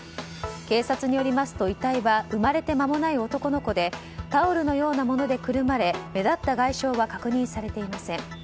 警察によりますと遺体は生まれて間もない男の子でタオルのようなものでくるまれ目立った外傷は確認されていません。